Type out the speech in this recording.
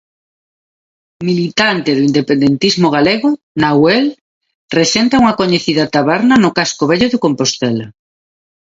Militante do independentismo galego, 'Nahuel' rexenta unha coñecida taberna no casco vello de Compostela.